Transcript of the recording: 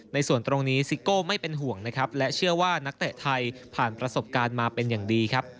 ในส่วนตรงนี้ซิโก้ไม่เป็นห่วงนะครับและเชื่อว่านักเตะไทยผ่านประสบการณ์มาเป็นอย่างดีครับ